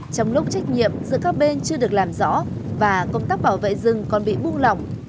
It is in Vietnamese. trong lúc trách nhiệm giữa các bên chưa được làm rõ và công tác bảo vệ rừng còn bị bung lỏng